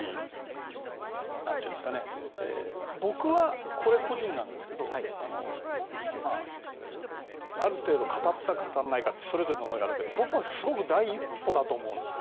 僕はこれ、個人なんですけどある程度語った、語らないってそれぞれあると思いますが僕はすごく第一歩だと思うんですよ。